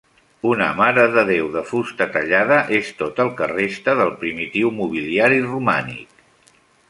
Una marededéu de fusta tallada és tot el que resta del primitiu mobiliari romànic.